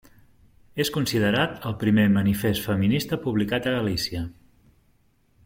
És considerat el primer manifest feminista publicat a Galícia.